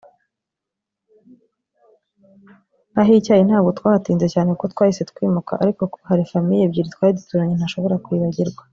Aho i Cyayi ntabwo twahatinze cyane kuko twahise twimuka ariko hari famille ebyiri twari duturanye ntashobora kwibagirwa